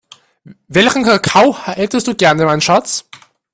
Welchen Kakao hättest du gern, mein Schatz?